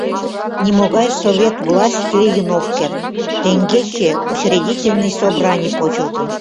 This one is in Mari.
Нимогай совет власть лийын ок керт, теҥгече Учредительный собраний почылтын.